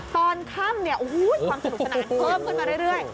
ตอนค่ำความสนุกสนานเพิ่มขึ้นมาเรื่อย